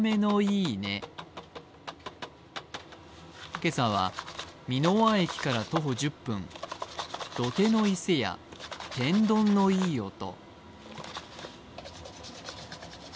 今朝は三ノ輪駅から徒歩１０分、土手の伊勢屋、天丼のいい音。